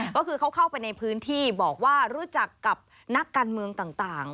ก็คือเขาเข้าไปในพื้นที่บอกว่ารู้จักกับนักการเมืองต่าง